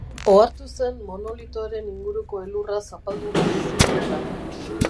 Ohartu zen monolitoaren inguruko elurra zapaldu gabe zegoela.